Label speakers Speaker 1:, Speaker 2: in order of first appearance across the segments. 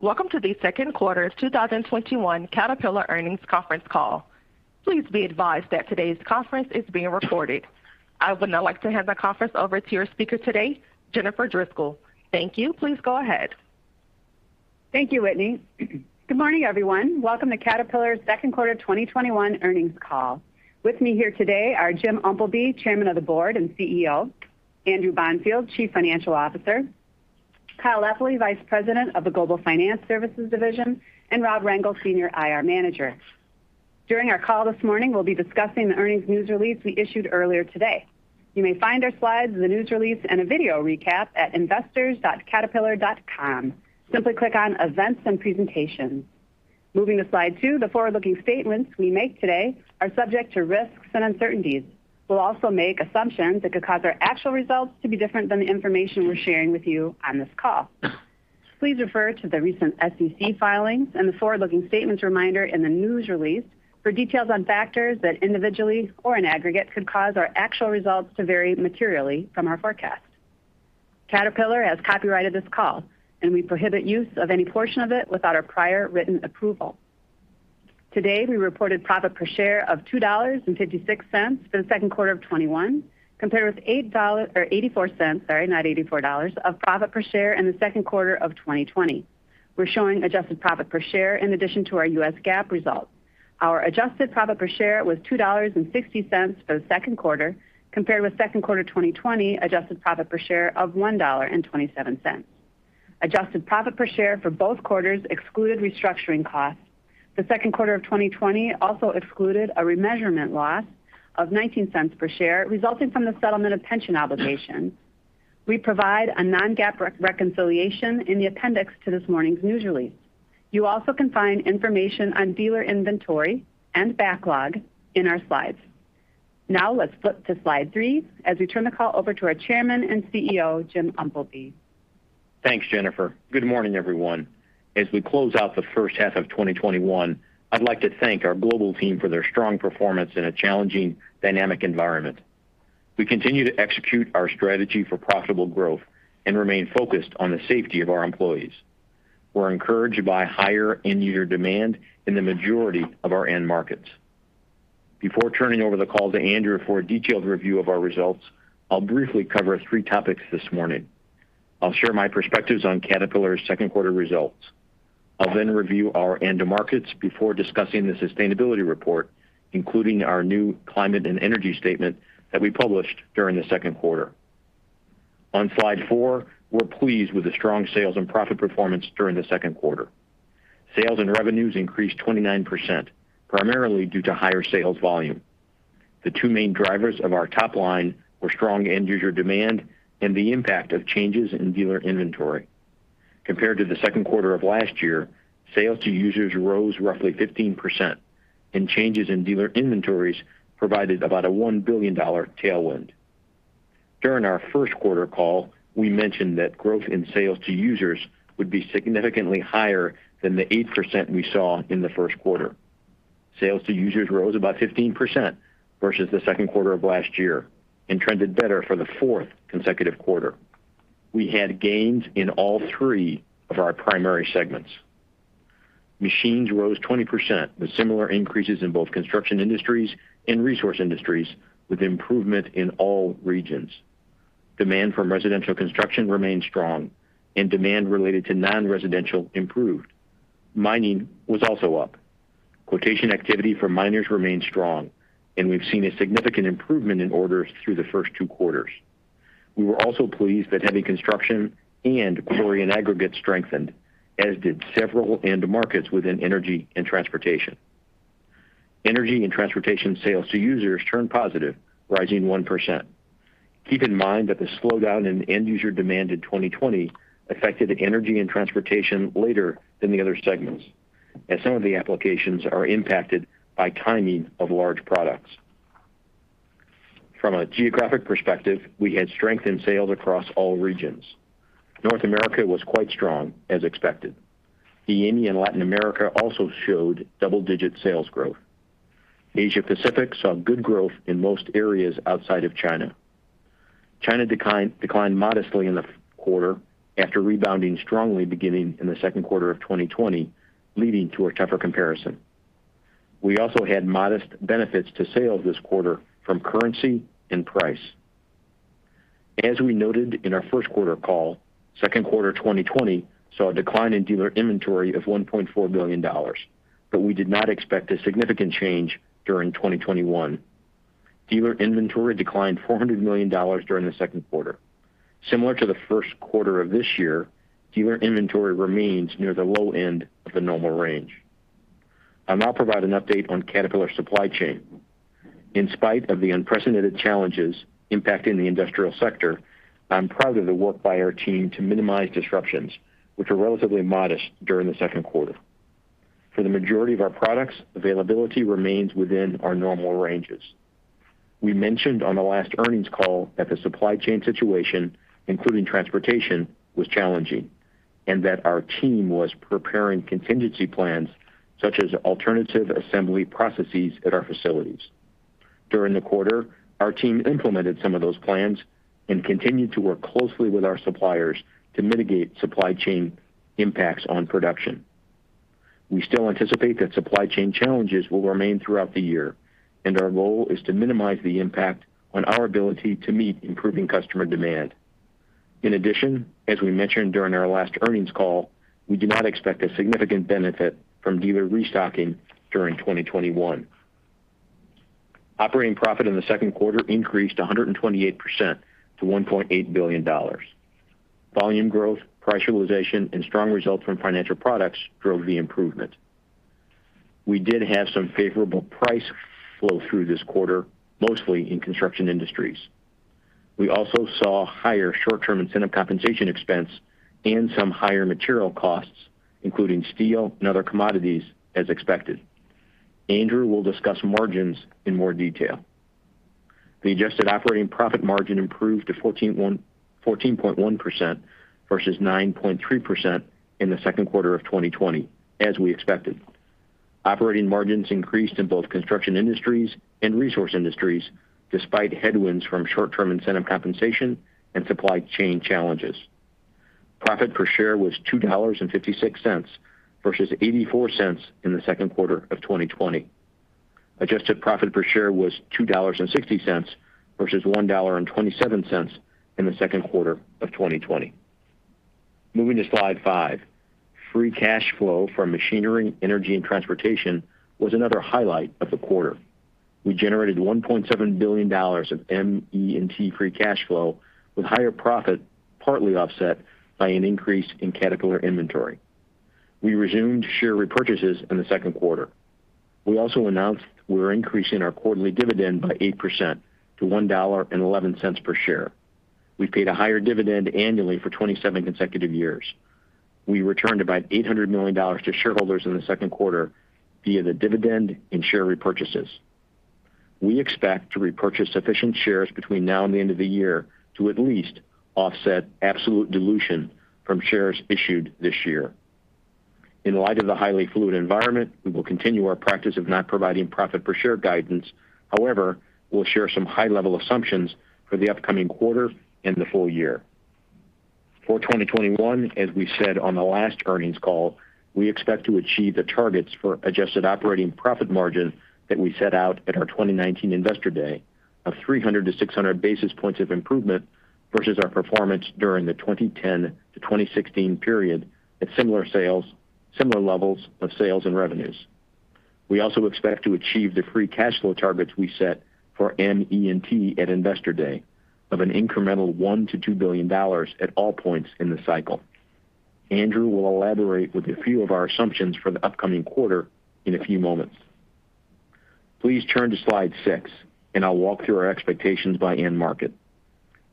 Speaker 1: Welcome to the second quarter of 2021 Caterpillar earnings conference call. Please be advised that today's conference is being recorded. I would now like to hand the conference over to your speaker today, Jennifer Driscoll. Thank you. Please go ahead.
Speaker 2: Thank you, Whitney. Good morning, everyone. Welcome to Caterpillar's second quarter 2021 earnings call. With me here today are Jim Umpleby, Chairman of the Board and CEO, Andrew Bonfield, Chief Financial Officer, Kyle Epley, Vice President of the Global Finance Services Division, and Rob Rengel, Senior IR Manager. During our call this morning, we'll be discussing the earnings news release we issued earlier today. You may find our slides in the news release and a video recap at investors.caterpillar.com. Simply click on Events and Presentation. Moving to slide two, the forward-looking statements we make today are subject to risks and uncertainties. We'll also make assumptions that could cause our actual results to be different than the information we're sharing with you on this call. Please refer to the recent SEC filings and the forward-looking statements reminder in the news release for details on factors that individually or in aggregate could cause our actual results to vary materially from our forecast. Caterpillar has copyrighted this call, and we prohibit use of any portion of it without our prior written approval. Today, we reported profit per share of $2.56 for the second quarter of 2021, compared with $0.84 of profit per share in the second quarter of 2020. We're showing adjusted profit per share in addition to our U.S. GAAP results. Our adjusted profit per share was $2.60 for the second quarter, compared with second quarter 2020 adjusted profit per share of $1.27. Adjusted profit per share for both quarters excluded restructuring costs. The second quarter of 2020 also excluded a remeasurement loss of $0.19 per share resulting from the settlement of pension obligations. We provide a non-GAAP reconciliation in the appendix to this morning's news release. You also can find information on dealer inventory and backlog in our slides. Let's flip to slide three as we turn the call over to our Chairman and CEO, Jim Umpleby.
Speaker 3: Thanks, Jennifer. Good morning, everyone. As we close out the first half of 2021, I'd like to thank our global team for their strong performance in a challenging dynamic environment. We continue to execute our strategy for profitable growth and remain focused on the safety of our employees. We're encouraged by higher end user demand in the majority of our end markets. Before turning over the call to Andrew for a detailed review of our results, I'll briefly cover three topics this morning. I'll share my perspectives on Caterpillar's second quarter results. I'll review our end markets before discussing the sustainability report, including our new climate and energy statement that we published during the second quarter. On slide four, we're pleased with the strong sales and profit performance during the second quarter. Sales and revenues increased 29%, primarily due to higher sales volume. The two main drivers of our top line were strong end user demand and the impact of changes in dealer inventory. Compared to the second quarter of last year, sales to users rose roughly 15%, and changes in dealer inventories provided about a $1 billion tailwind. During our first quarter call, we mentioned that growth in sales to users would be significantly higher than the 8% we saw in the first quarter. Sales to users rose about 15% versus the second quarter of last year and trended better for the fourth consecutive quarter. We had gains in all three of our primary segments. Machines rose 20% with similar increases in both Construction Industries and Resource Industries with improvement in all regions. Demand from residential construction remained strong, and demand related to non-residential improved. Mining was also up. Quotation activity for miners remained strong. We've seen a significant improvement in orders through the first two quarters. We were also pleased that heavy construction and quarry and aggregate strengthened, as did several end markets within Energy & Transportation. Energy & Transportation sales to users turned positive, rising 1%. Keep in mind that the slowdown in end user demand in 2020 affected Energy & Transportation later than the other segments, as some of the applications are impacted by timing of large products. From a geographic perspective, we had strength in sales across all regions. North America was quite strong, as expected. EAME and Latin America also showed double-digit sales growth. Asia Pacific saw good growth in most areas outside of China. China declined modestly in the quarter after rebounding strongly beginning in the second quarter of 2020, leading to a tougher comparison. We also had modest benefits to sales this quarter from currency and price. As we noted in our first quarter call, second quarter 2020 saw a decline in dealer inventory of $1.4 billion, but we did not expect a significant change during 2021. Dealer inventory declined $400 million during the second quarter. Similar to the first quarter of this year, dealer inventory remains near the low end of the normal range. I'll now provide an update on Caterpillar supply chain. In spite of the unprecedented challenges impacting the industrial sector, I'm proud of the work by our team to minimize disruptions, which were relatively modest during the second quarter. For the majority of our products, availability remains within our normal ranges. We mentioned on the last earnings call that the supply chain situation, including transportation, was challenging and that our team was preparing contingency plans such as alternative assembly processes at our facilities. During the quarter, our team implemented some of those plans and continued to work closely with our suppliers to mitigate supply chain impacts on production. We still anticipate that supply chain challenges will remain throughout the year, and our goal is to minimize the impact on our ability to meet improving customer demand. In addition, as we mentioned during our last earnings call, we do not expect a significant benefit from dealer restocking during 2021. Operating profit in the second quarter increased 128% to $1.8 billion. Volume growth, price realization, and strong results from Financial Products drove the improvement. We did have some favorable price flow through this quarter, mostly in Construction Industries. We also saw higher short-term incentive compensation expense and some higher material costs, including steel and other commodities as expected. Andrew will discuss margins in more detail. The adjusted operating profit margin improved to 14.1% versus 9.3% in the second quarter of 2020, as we expected. Operating margins increased in both Construction Industries and Resource Industries, despite headwinds from short-term incentive compensation and supply chain challenges. Profit per share was $2.56 versus $0.84 in the second quarter of 2020. Adjusted profit per share was $2.60 versus $1.27 in the second quarter of 2020. Moving to slide five. Free cash flow from Machinery, Energy, and Transportation was another highlight of the quarter. We generated $1.7 billion of ME&T free cash flow with higher profit partly offset by an increase in Caterpillar inventory. We resumed share repurchases in the second quarter. We also announced we're increasing our quarterly dividend by 8% to $1.11 per share. We paid a higher dividend annually for 27 consecutive years. We returned about $800 million to shareholders in the second quarter via the dividend and share repurchases. We expect to repurchase sufficient shares between now and the end of the year to at least offset absolute dilution from shares issued this year. In light of the highly fluid environment, we will continue our practice of not providing profit per share guidance. However, we'll share some high-level assumptions for the upcoming quarter and the full year. For 2021, as we said on the last earnings call, we expect to achieve the targets for adjusted operating profit margin that we set out at our 2019 Investor Day of 300-600 basis points of improvement versus our performance during the 2010-2016 period at similar sales, similar levels of sales and revenues. We also expect to achieve the free cash flow targets we set for ME&T at Investor Day of an incremental $1 billion-$2 billion at all points in the cycle. Andrew will elaborate with a few of our assumptions for the upcoming quarter in a few moments. Please turn to slide six, I'll walk through our expectations by end market.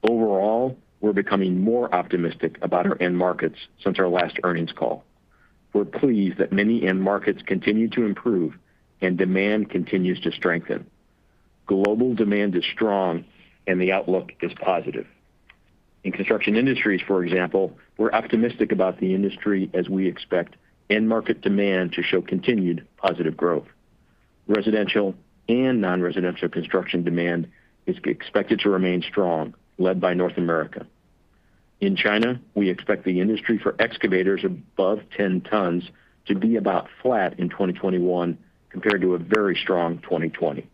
Speaker 3: Overall, we're becoming more optimistic about our end markets since our last earnings call. We're pleased that many end markets continue to improve and demand continues to strengthen. Global demand is strong and the outlook is positive. In Construction Industries, for example, we're optimistic about the industry as we expect end market demand to show continued positive growth. Residential and non-residential construction demand is expected to remain strong, led by North America. In China, we expect the industry for excavators above 10 tons to be about flat in 2021 compared to a very strong 2020.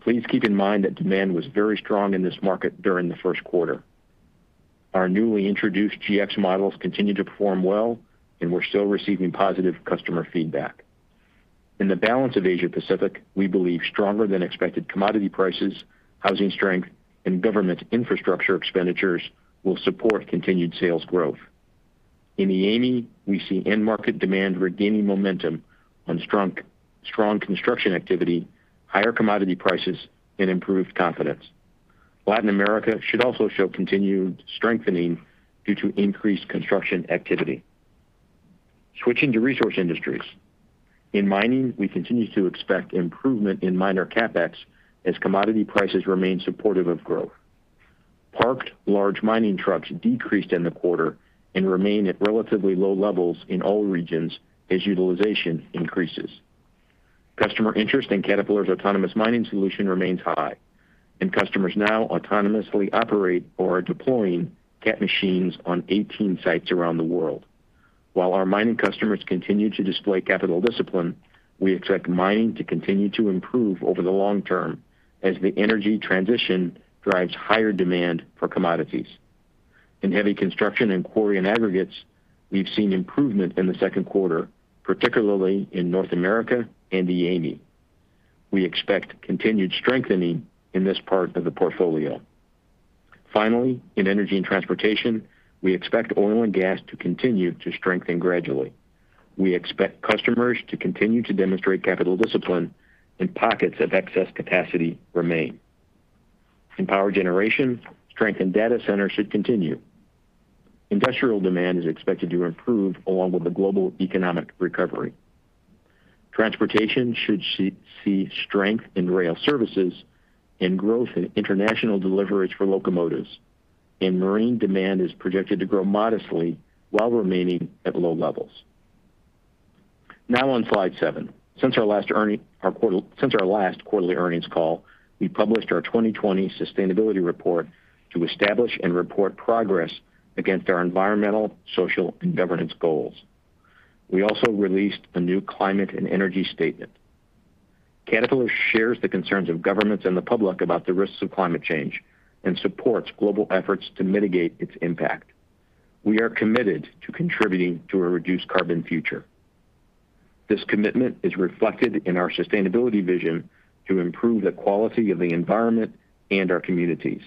Speaker 3: Please keep in mind that demand was very strong in this market during the first quarter. Our newly introduced GX models continue to perform well, and we're still receiving positive customer feedback. In the balance of Asia Pacific, we believe stronger than expected commodity prices, housing strength, and government infrastructure expenditures will support continued sales growth. In EAME, we see end market demand regaining momentum on strong construction activity, higher commodity prices, and improved confidence. Latin America should also show continued strengthening due to increased construction activity. Switching to Resource Industries. In mining, we continue to expect improvement in miner CapEx as commodity prices remain supportive of growth. Parked large mining trucks decreased in the quarter and remain at relatively low levels in all regions as utilization increases. Customer interest in Caterpillar's autonomous mining solution remains high, and customers now autonomously operate or are deploying Cat machines on 18 sites around the world. While our mining customers continue to display capital discipline, we expect mining to continue to improve over the long term as the energy transition drives higher demand for commodities. In heavy construction and quarry & aggregates, we've seen improvement in the second quarter, particularly in North America and EAME. We expect continued strengthening in this part of the portfolio. Finally, in Energy & Transportation, we expect oil and gas to continue to strengthen gradually. We expect customers to continue to demonstrate capital discipline and pockets of excess capacity remain. In power generation, strength in data centers should continue. Industrial demand is expected to improve along with the global economic recovery. Transportation should see strength in rail services and growth in international deliveries for locomotives, and marine demand is projected to grow modestly while remaining at low levels. Now on slide seven. Since our last quarterly earnings call, we published our 2020 sustainability report to establish and report progress against our environmental, social, and governance goals. We also released a new climate and energy statement. Caterpillar shares the concerns of governments and the public about the risks of climate change and supports global efforts to mitigate its impact. We are committed to contributing to a reduced carbon future. This commitment is reflected in our sustainability vision to improve the quality of the environment and our communities.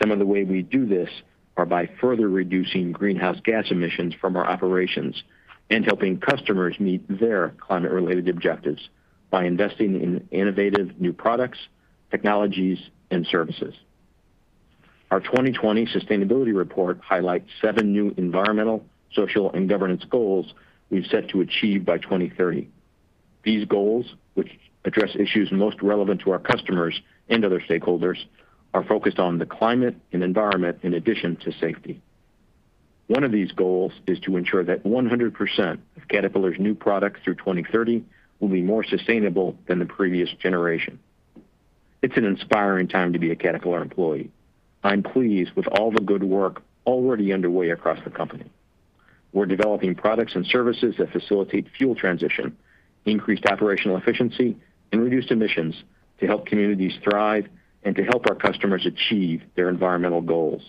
Speaker 3: Some of the way we do this are by further reducing greenhouse gas emissions from our operations and helping customers meet their climate-related objectives by investing in innovative new products, technologies, and services. Our 2020 sustainability report highlights seven new environmental, social, and governance goals we've set to achieve by 2030. These goals, which address issues most relevant to our customers and other stakeholders, are focused on the climate and environment in addition to safety. One of these goals is to ensure that 100% of Caterpillar's new products through 2030 will be more sustainable than the previous generation. It's an inspiring time to be a Caterpillar employee. I'm pleased with all the good work already underway across the company. We're developing products and services that facilitate fuel transition, increased operational efficiency, and reduced emissions to help communities thrive and to help our customers achieve their environmental goals.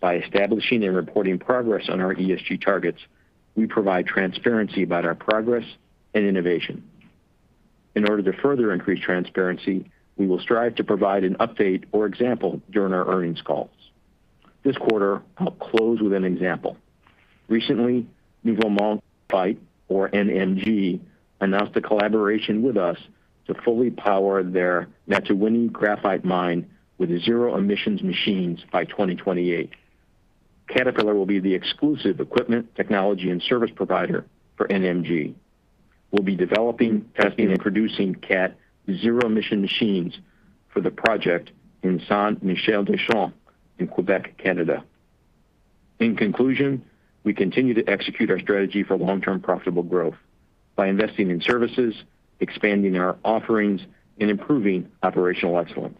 Speaker 3: By establishing and reporting progress on our ESG targets, we provide transparency about our progress and innovation. In order to further increase transparency, we will strive to provide an update or example during our earnings calls. This quarter, I'll close with an example. Recently, Nouveau Monde Graphite, or NMG, announced a collaboration with us to fully power their Matawinie graphite mine with zero-emissions machines by 2028. Caterpillar will be the exclusive equipment, technology, and service provider for NMG. We'll be developing, testing, and producing Cat zero emission machines for the project in Saint-Michel-des-Saints in Quebec, Canada. In conclusion, we continue to execute our strategy for long-term profitable growth by investing in services, expanding our offerings, and improving operational excellence.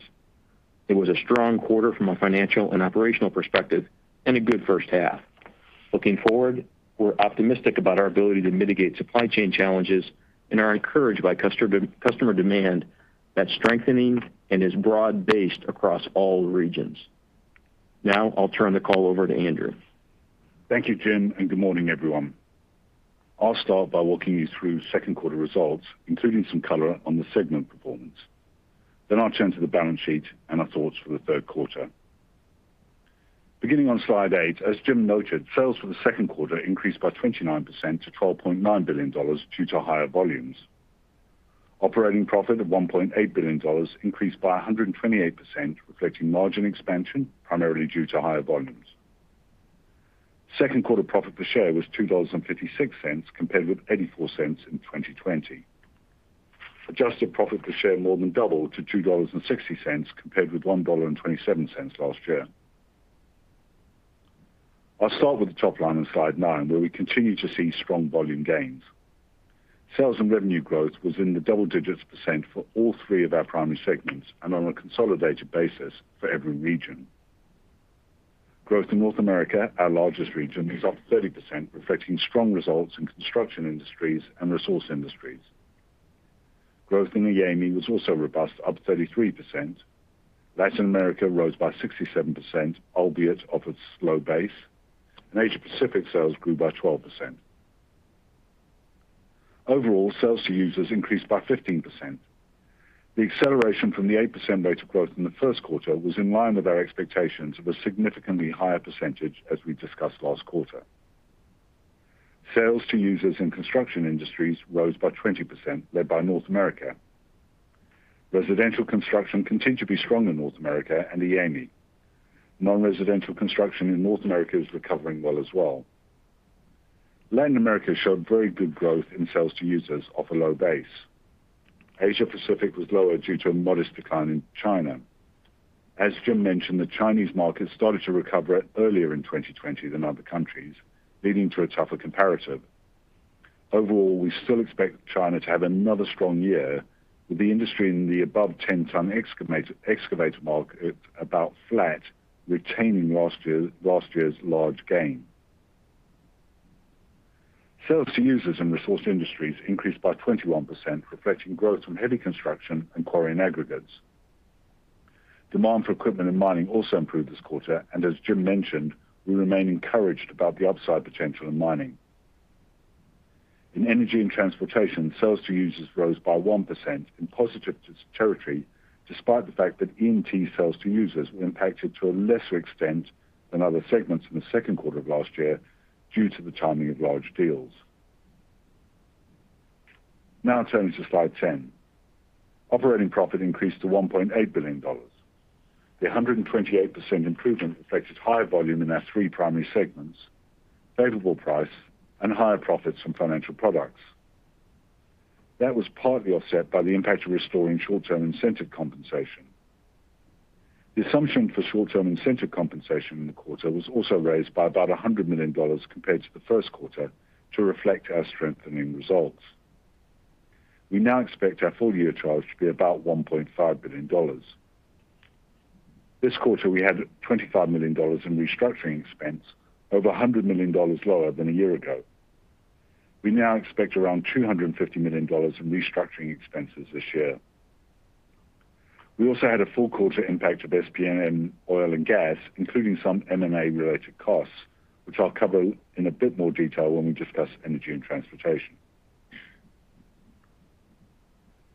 Speaker 3: It was a strong quarter from a financial and operational perspective, and a good first half. Looking forward, we're optimistic about our ability to mitigate supply chain challenges and are encouraged by customer demand that's strengthening and is broad-based across all regions. Now, I'll turn the call over to Andrew.
Speaker 4: Thank you, Jim. Good morning, everyone. I'll start by walking you through second quarter results, including some color on the segment performance. I'll turn to the balance sheet and our thoughts for the third quarter. Beginning on slide eight, as Jim noted, sales for the second quarter increased by 29% to $12.9 billion due to higher volumes. Operating profit of $1.8 billion increased by 128%, reflecting margin expansion, primarily due to higher volumes. Second quarter profit per share was $2.56 compared with $0.84 in 2020. Adjusted profit per share more than doubled to $2.60 compared with $1.27 last year. I'll start with the top line on slide nine, where we continue to see strong volume gains. Sales and revenue growth was in the double digits % for all three of our primary segments, and on a consolidated basis for every region. Growth in North America, our largest region, was up 30%, reflecting strong results in Construction Industries and Resource Industries. Growth in EAME was also robust, up 33%. Latin America rose by 67%, albeit off a slow base. Asia-Pacific sales grew by 12%. Overall, sales to users increased by 15%. The acceleration from the 8% rate of growth in the first quarter was in line with our expectations of a significantly higher percentage, as we discussed last quarter. Sales to users in Construction Industries rose by 20%, led by North America. Residential construction continued to be strong in North America and EAME. Non-residential construction in North America is recovering well as well. Latin America showed very good growth in sales to users off a low base. Asia-Pacific was lower due to a modest decline in China. As Jim mentioned, the Chinese market started to recover earlier in 2020 than other countries, leading to a tougher comparative. Overall, we still expect China to have another strong year with the industry in the above 10-ton excavator market about flat, retaining last year's large gain. Sales to users in Resource Industries increased by 21%, reflecting growth from heavy construction and quarry and aggregates. Demand for equipment and mining also improved this quarter, and as Jim mentioned, we remain encouraged about the upside potential in mining. In Energy & Transportation, sales to users rose by 1% in positive territory, despite the fact that E&T sales to users were impacted to a lesser extent than other segments in the second quarter of last year due to the timing of large deals. Now turning to slide 10. Operating profit increased to $1.8 billion. The 128% improvement reflected higher volume in our three primary segments, favorable price, and higher profits from Financial Products. That was partly offset by the impact of restoring short-term incentive compensation. The assumption for short-term incentive compensation in the quarter was also raised by about $100 million compared to the first quarter to reflect our strengthening results. We now expect our full-year charge to be about $1.5 billion. This quarter, we had $25 million in restructuring expense, over $100 million lower than a year ago. We now expect around $250 million in restructuring expenses this year. We also had a full quarter impact of SPM Oil & Gas, including some M&A related costs, which I'll cover in a bit more detail when we discuss Energy & Transportation.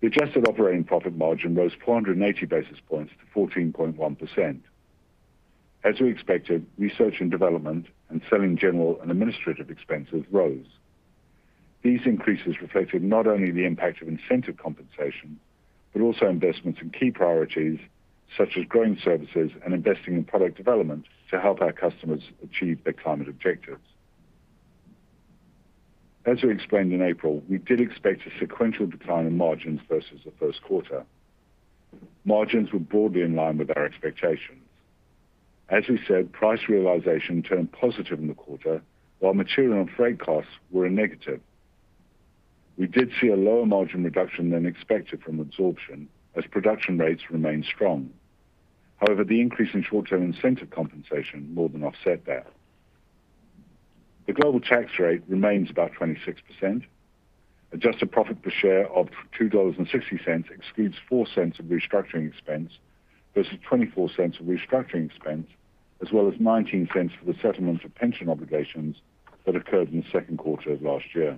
Speaker 4: The adjusted operating profit margin rose 480 basis points to 14.1%. As we expected, research and development and selling general and administrative expenses rose. These increases reflected not only the impact of incentive compensation, but also investments in key priorities such as growing services and investing in product development to help our customers achieve their climate objectives. As we explained in April, we did expect a sequential decline in margins versus the first quarter. Margins were broadly in line with our expectations. As we said, price realization turned positive in the quarter, while material and freight costs were a negative. We did see a lower margin reduction than expected from absorption as production rates remained strong. However, the increase in short-term incentive compensation more than offset that. The global tax rate remains about 26%. Adjusted profit per share of $2.60 excludes $0.04 of restructuring expense versus $0.24 of restructuring expense, as well as $0.19 for the settlement of pension obligations that occurred in the second quarter of last year.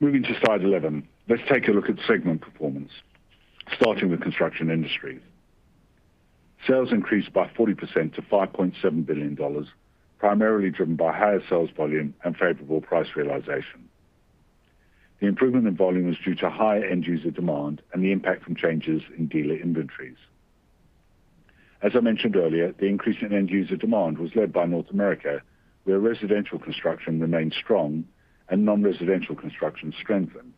Speaker 4: Moving to slide 11. Let's take a look at segment performance, starting with Construction Industries. Sales increased by 40% to $5.7 billion, primarily driven by higher sales volume and favorable price realization. The improvement in volume was due to higher end user demand and the impact from changes in dealer inventories. As I mentioned earlier, the increase in end user demand was led by North America, where residential construction remained strong and non-residential construction strengthened.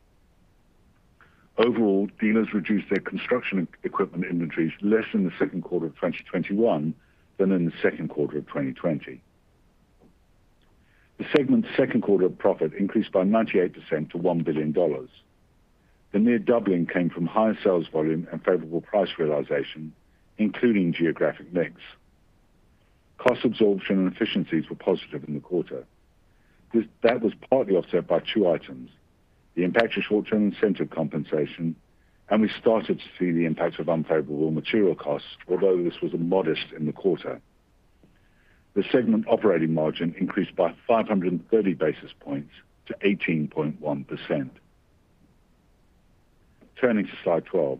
Speaker 4: Overall, dealers reduced their construction equipment inventories less in the second quarter of 2021 than in the second quarter of 2020. The segment's second quarter profit increased by 98% to $1 billion. The near doubling came from higher sales volume and favorable price realization, including geographic mix. Cost absorption and efficiencies were positive in the quarter. That was partly offset by two items, the impact of short-term incentive compensation, and we started to see the impact of unfavorable material costs, although this was modest in the quarter. The segment operating margin increased by 530 basis points to 18.1%. Turning to slide 12.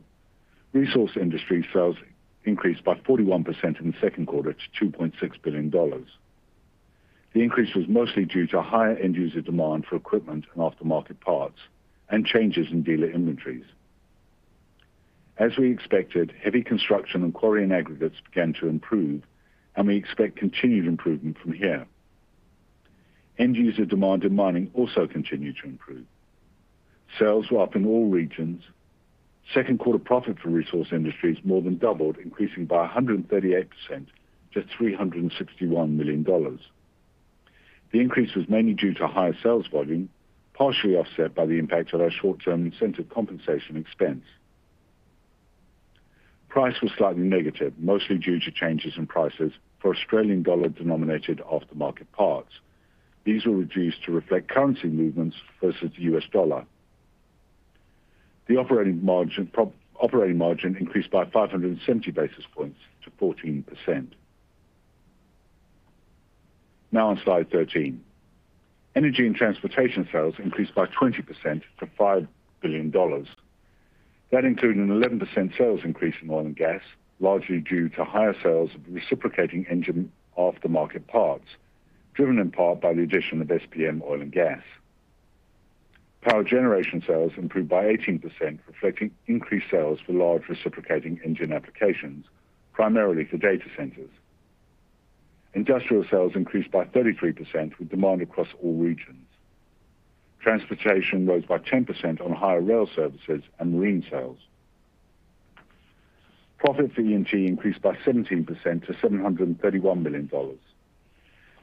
Speaker 4: Resource Industries sales increased by 41% in the second quarter to $2.6 billion. The increase was mostly due to higher end user demand for equipment and aftermarket parts and changes in dealer inventories. As we expected, heavy construction and quarry and aggregates began to improve, we expect continued improvement from here. End user demand in mining also continued to improve. Sales were up in all regions. Second quarter profit for Resource Industries more than doubled, increasing by 138% to $361 million. The increase was mainly due to higher sales volume, partially offset by the impact of our short-term incentive compensation expense. Price was slightly negative, mostly due to changes in prices for Australian dollar-denominated aftermarket parts. These were reduced to reflect currency movements versus the U.S. dollar. The operating margin increased by 570 basis points to 14%. Now on slide 13. Energy & Transportation sales increased by 20% to $5 billion. That included an 11% sales increase in oil and gas, largely due to higher sales of reciprocating engine aftermarket parts, driven in part by the addition of SPM Oil & Gas. Power generation sales improved by 18%, reflecting increased sales for large reciprocating engine applications, primarily for data centers. Industrial sales increased by 33% with demand across all regions. Transportation rose by 10% on higher rail services and marine sales. Profit for E&T increased by 17% to $731 million.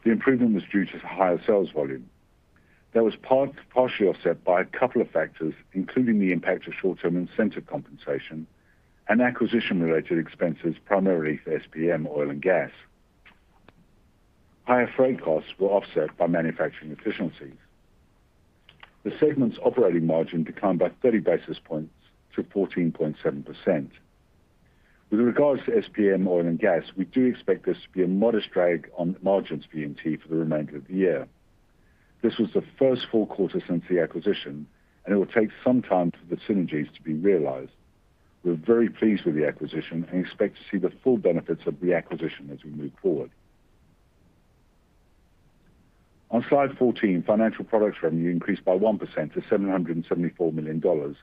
Speaker 4: The improvement was due to higher sales volume. That was partially offset by a couple of factors, including the impact of short-term incentive compensation and acquisition-related expenses, primarily for SPM Oil & Gas. Higher freight costs were offset by manufacturing efficiencies. The segment's operating margin declined by 30 basis points to 14.7%. With regards to SPM Oil & Gas, we do expect this to be a modest drag on margins for E&T for the remainder of the year. This was the first full quarter since the acquisition, and it will take some time for the synergies to be realized. We're very pleased with the acquisition and expect to see the full benefits of the acquisition as we move forward. On slide 14, Financial Products revenue increased by 1% to $774 million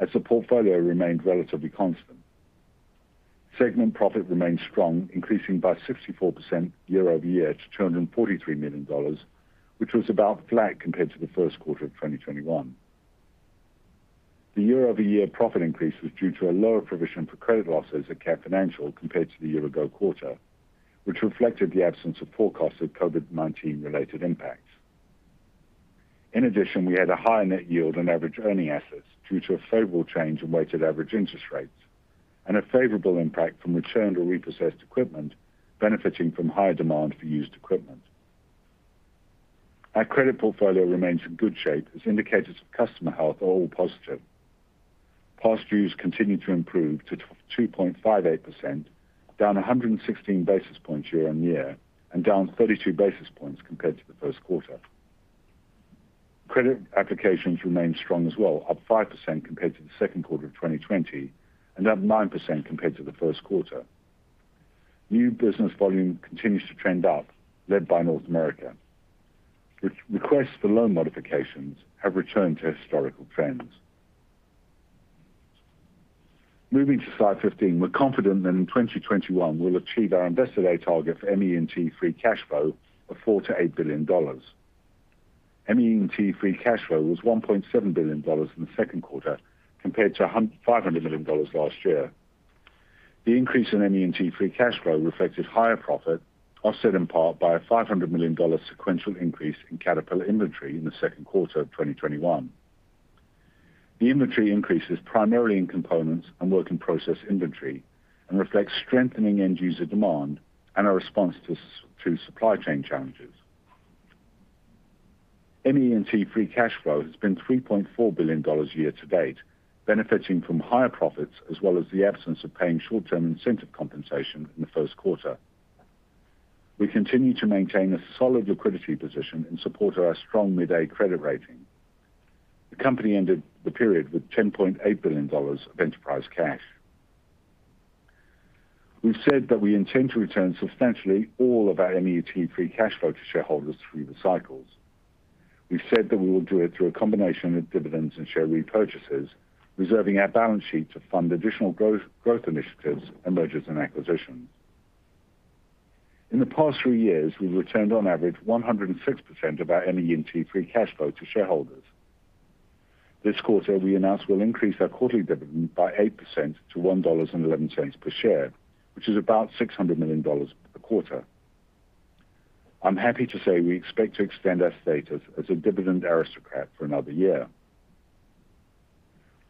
Speaker 4: as the portfolio remained relatively constant. Segment profit remained strong, increasing by 64% year-over-year to $243 million, which was about flat compared to the first quarter of 2021. The year-over-year profit increase was due to a lower provision for credit losses at Cat Financial compared to the year ago quarter, which reflected the absence of forecast of COVID-19 related impacts. In addition, we had a higher net yield on average earning assets due to a favorable change in weighted average interest rates, and a favorable impact from returned or repossessed equipment benefiting from higher demand for used equipment. Our credit portfolio remains in good shape as indicators of customer health are all positive. Past dues continue to improve to 2.58%, down 116 basis points year-on-year, and down 32 basis points compared to the first quarter. Credit applications remain strong as well, up 5% compared to the second quarter of 2020 and up 9% compared to the first quarter. New business volume continues to trend up, led by North America, with requests for loan modifications have returned to historical trends. Moving to slide 15, we're confident that in 2021, we'll achieve our Investor Day target for ME&T free cash flow of $4 billion-$8 billion. ME&T free cash flow was $1.7 billion in the second quarter compared to $500 million last year. The increase in ME&T free cash flow reflected higher profit, offset in part by a $500 million sequential increase in Caterpillar inventory in the second quarter of 2021. The inventory increase is primarily in components and work-in-process inventory and reflects strengthening end user demand and our response to supply chain challenges. ME&T free cash flow has been $3.4 billion year-to-date, benefiting from higher profits as well as the absence of paying short-term incentive compensation in the first quarter. We continue to maintain a solid liquidity position in support of our strong mid-A credit rating. The company ended the period with $10.8 billion of enterprise cash. We've said that we intend to return substantially all of our ME&T free cash flow to shareholders through the cycles. We've said that we will do it through a combination of dividends and share repurchases, reserving our balance sheet to fund additional growth initiatives and mergers and acquisitions. In the past three years, we've returned on average 106% of our ME&T free cash flow to shareholders. This quarter, we announced we'll increase our quarterly dividend by 8% to $1.11 per share, which is about $600 million per quarter. I'm happy to say we expect to extend our status as a Dividend Aristocrat for another year.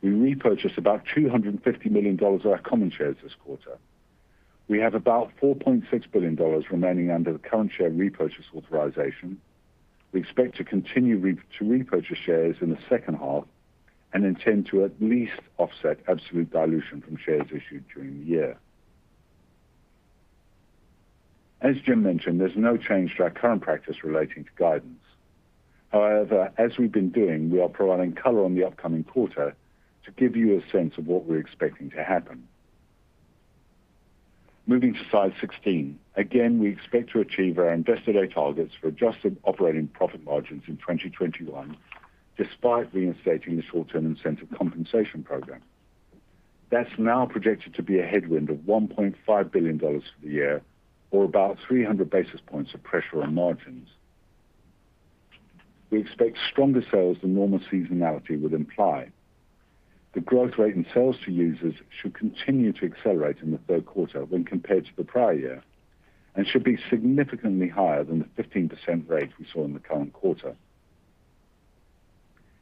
Speaker 4: We repurchased about $250 million of our common shares this quarter. We have about $4.6 billion remaining under the current share repurchase authorization. We expect to continue to repurchase shares in the second half and intend to at least offset absolute dilution from shares issued during the year. As Jim mentioned, there's no change to our current practice relating to guidance. However, as we've been doing, we are providing color on the upcoming quarter to give you a sense of what we're expecting to happen. Moving to slide 16. Again, we expect to achieve our Investor Day targets for adjusted operating profit margins in 2021, despite reinstating the short-term incentive compensation program. That's now projected to be a headwind of $1.5 billion for the year or about 300 basis points of pressure on margins. We expect stronger sales than normal seasonality would imply. The growth rate in sales to users should continue to accelerate in the third quarter when compared to the prior year and should be significantly higher than the 15% rate we saw in the current quarter.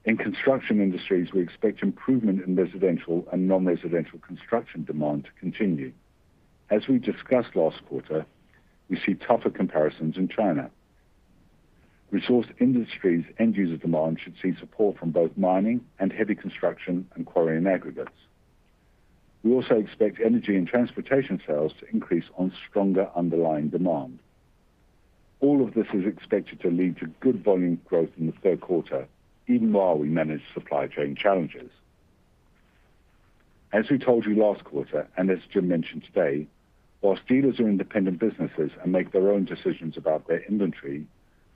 Speaker 4: In Construction Industries, we expect improvement in residential and non-residential construction demand to continue. As we discussed last quarter, we see tougher comparisons in China. Resource Industries end user demand should see support from both mining and heavy construction and quarry and aggregates. We also expect Energy & Transportation sales to increase on stronger underlying demand. All of this is expected to lead to good volume growth in the third quarter, even while we manage supply chain challenges. As we told you last quarter, and as Jim mentioned today, whilst dealers are independent businesses and make their own decisions about their inventory,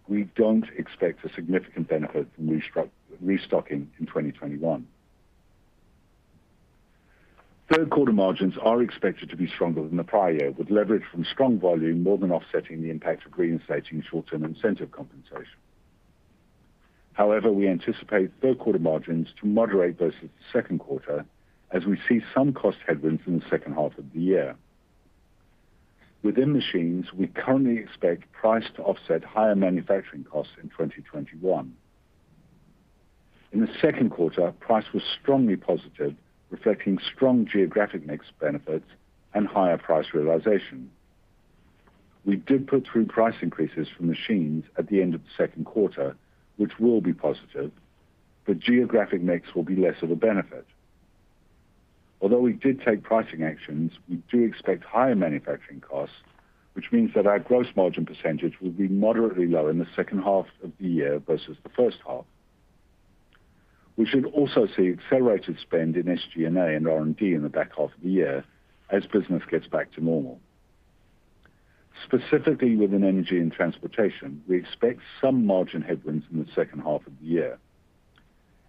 Speaker 4: we don't expect a significant benefit from restocking in 2021. Third quarter margins are expected to be stronger than the prior year, with leverage from strong volume more than offsetting the impact of reinstating short-term incentive compensation. However, we anticipate third quarter margins to moderate versus the second quarter as we see some cost headwinds in the second half of the year. Within machines, we currently expect price to offset higher manufacturing costs in 2021. In the second quarter, price was strongly positive, reflecting strong geographic mix benefits and higher price realization. We did put through price increases for machines at the end of the second quarter, which will be positive, but geographic mix will be less of a benefit. Although we did take pricing actions, we do expect higher manufacturing costs, which means that our gross margin percentage will be moderately lower in the second half of the year versus the first half. We should also see accelerated spend in SG&A and R&D in the back half of the year as business gets back to normal. Specifically within Energy & Transportation, we expect some margin headwinds in the second half of the year.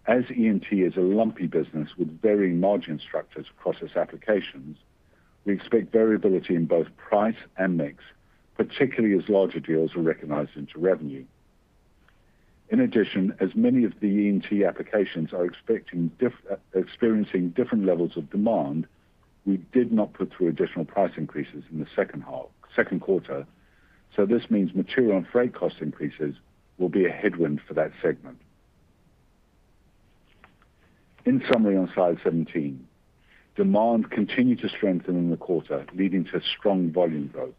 Speaker 4: As E&T is a lumpy business with varying margin structures across its applications, we expect variability in both price and mix, particularly as larger deals are recognized into revenue. In addition, as many of the E&T applications are experiencing different levels of demand, we did not put through additional price increases in the second quarter. This means material and freight cost increases will be a headwind for that segment. In summary, on slide 17, demand continued to strengthen in the quarter, leading to strong volume growth.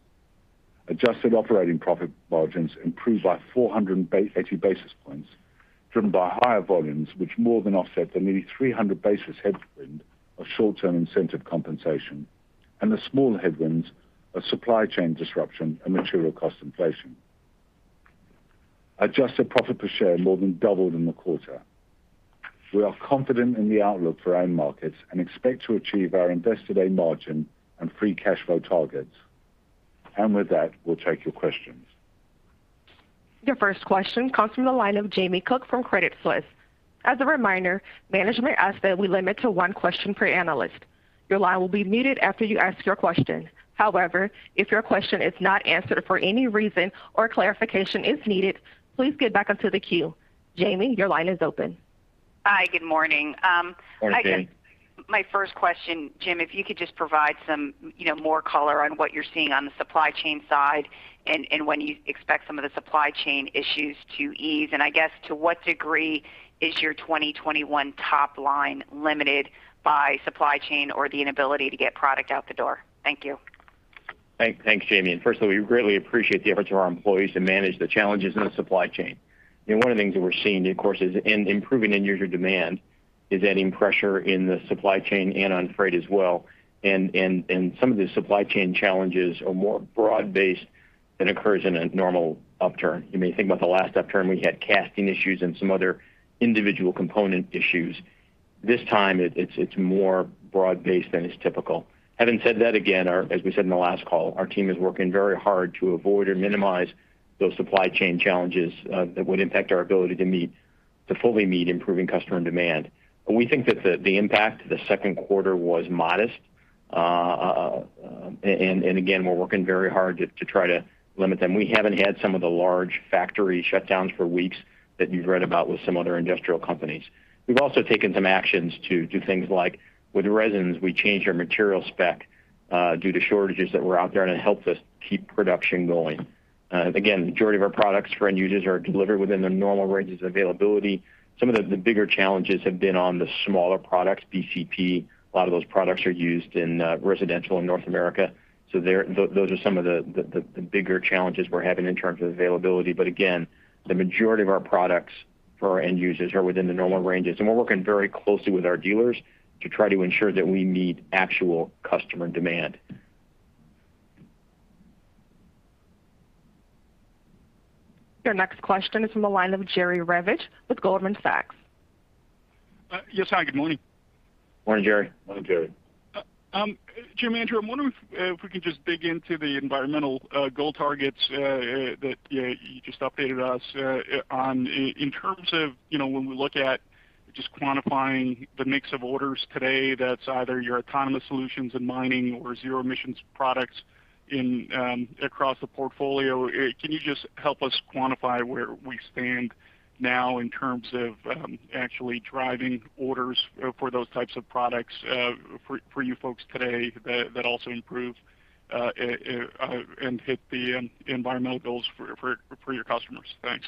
Speaker 4: Adjusted operating profit margins improved by 480 basis points, driven by higher volumes, which more than offset the nearly 300 basis headwind of short-term incentive compensation and the smaller headwinds of supply chain disruption and material cost inflation. Adjusted profit per share more than doubled in the quarter. We are confident in the outlook for our end markets and expect to achieve our Investor Day margin and free cash flow targets. With that, we'll take your questions.
Speaker 1: Your first question comes from the line of Jamie Cook from Credit Suisse. As a reminder, management asked that we limit to one question per analyst. Your line will be muted after you ask your question. However, if your question is not answered for any reason or clarification is needed, please get back onto the queue. Jamie, your line is open.
Speaker 5: Hi, good morning.
Speaker 3: Morning, Jamie.
Speaker 5: My first question, Jim, if you could just provide some more color on what you're seeing on the supply chain side and when you expect some of the supply chain issues to ease, and I guess to what degree is your 2021 top line limited by supply chain or the inability to get product out the door? Thank you.
Speaker 3: Thanks, Jamie. Firstly, we greatly appreciate the efforts of our employees to manage the challenges in the supply chain. One of the things that we're seeing, of course, is improving end user demand is adding pressure in the supply chain and on freight as well. Some of the supply chain challenges are more broad-based than occurs in a normal upturn. You may think about the last upturn, we had casting issues and some other individual component issues. This time it's more broad-based than is typical. Having said that, again, as we said in the last call, our team is working very hard to avoid or minimize those supply chain challenges that would impact our ability to fully meet improving customer demand. We think that the impact to the second quarter was modest. Again, we're working very hard to try to limit them. We haven't had some of the large factory shutdowns for weeks that you've read about with some other industrial companies. We've also taken some actions to do things like with resins, we changed our material spec due to shortages that were out there, and it helped us keep production going. Majority of our products for end users are delivered within their normal ranges of availability. Some of the bigger challenges have been on the smaller products, BCP. A lot of those products are used in residential in North America. Those are some of the bigger challenges we're having in terms of availability. The majority of our products for our end users are within the normal ranges. We're working very closely with our dealers to try to ensure that we meet actual customer demand.
Speaker 1: Your next question is from the line of Jerry Revich with Goldman Sachs.
Speaker 6: Yes, hi, good morning.
Speaker 3: Morning, Jerry.
Speaker 4: Morning, Jerry.
Speaker 6: Jim, I'm wondering if we can just dig into the environmental goal targets that you just updated us on. In terms of when we look at just quantifying the mix of orders today, that's either your autonomous solutions in mining or zero emissions products across the portfolio. Can you just help us quantify where we stand now in terms of actually driving orders for those types of products for you folks today that also improve and hit the environmental goals for your customers? Thanks.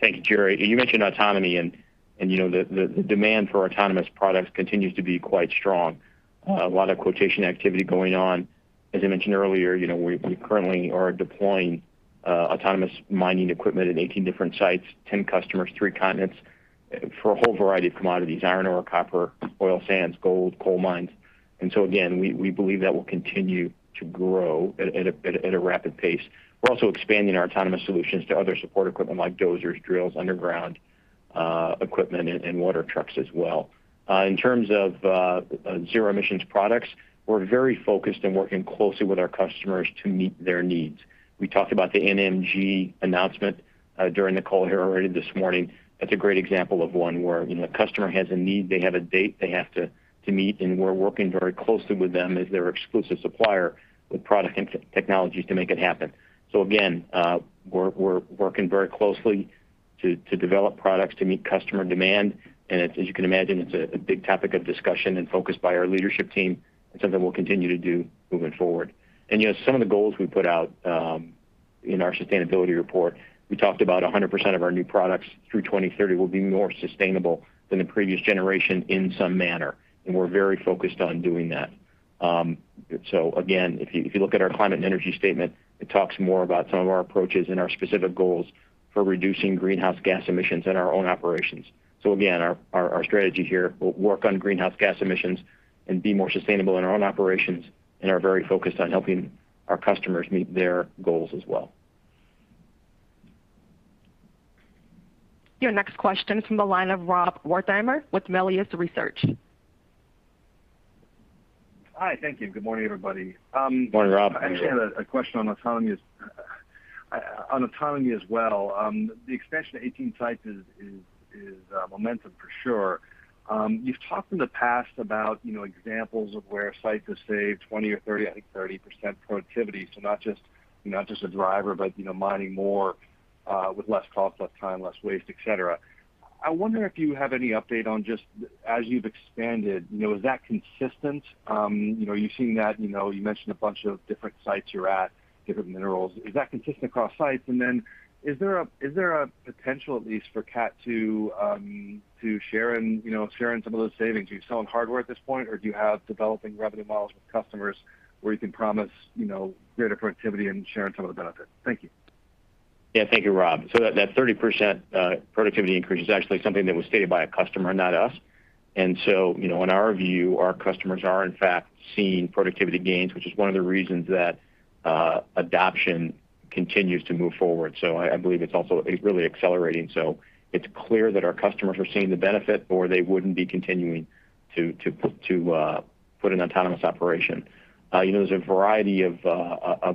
Speaker 3: Thank you, Jerry. You mentioned autonomy and the demand for autonomous products continues to be quite strong. A lot of quotation activity going on. As I mentioned earlier, we currently are deploying autonomous mining equipment in 18 different sites, 10 customers, three continents for a whole variety of commodities, iron ore, copper, oil sands, gold, coal mines. Again, we believe that will continue to grow at a rapid pace. We're also expanding our autonomous solutions to other support equipment like dozers, drills, underground equipment, and water trucks as well. In terms of zero emissions products, we're very focused and working closely with our customers to meet their needs. We talked about the NMG announcement during the call here already this morning. That's a great example of one where a customer has a need, they have a date they have to meet, we're working very closely with them as their exclusive supplier with product and technologies to make it happen. Again, we're working very closely to develop products to meet customer demand. As you can imagine, it's a big topic of discussion and focus by our leadership team and something we'll continue to do moving forward. Some of the goals we put out in our sustainability report, we talked about 100% of our new products through 2030 will be more sustainable than the previous generation in some manner. We're very focused on doing that. Again, if you look at our climate and energy statement, it talks more about some of our approaches and our specific goals for reducing greenhouse gas emissions in our own operations. Again, our strategy here, we'll work on greenhouse gas emissions and be more sustainable in our own operations and are very focused on helping our customers meet their goals as well.
Speaker 1: Your next question is from the line of Rob Wertheimer with Melius Research.
Speaker 7: Hi, thank you. Good morning, everybody.
Speaker 3: Good morning, Rob. How are you?
Speaker 7: I actually had a question on autonomy as well. The expansion to 18 sites is momentum for sure. You've talked in the past about examples of where sites have saved 20% or 30%, I think 30% productivity. Not just a driver, but mining more, with less cost, less time, less waste, et cetera. I wonder if you have any update on just as you've expanded, is that consistent? You're seeing that, you mentioned a bunch of different sites you're at, different minerals. Is that consistent across sites? Is there a potential at least for Cat to share in some of those savings? Are you selling hardware at this point, or do you have developing revenue models with customers where you can promise greater productivity and share in some of the benefits? Thank you.
Speaker 3: Thank you, Rob. That 30% productivity increase is actually something that was stated by a customer, not us. In our view, our customers are in fact seeing productivity gains, which is one of the reasons that adoption continues to move forward. I believe it's also really accelerating. It's clear that our customers are seeing the benefit, or they wouldn't be continuing to put an autonomous operation. There's a variety of